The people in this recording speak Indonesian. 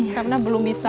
karena belum bisa